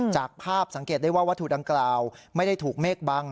จากภาพสังเกตได้ว่าวัตถุดังกล่าวไม่ได้ถูกเมฆบัง